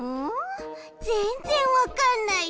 ぜんぜんわかんないち。